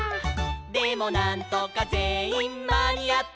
「でもなんとかぜんいんまにあって」